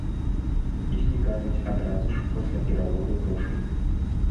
І знікаюць адразу ж пасля пераводу грошай.